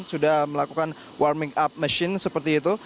sudah melakukan warming up machine seperti itu